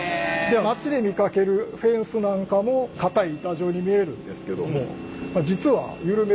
街で見かけるフェンスなんかも硬い板状に見えるんですけども実は緩めると軟らかい。